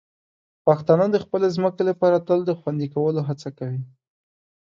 پښتانه د خپلې ځمکې لپاره تل د خوندي کولو هڅه کوي.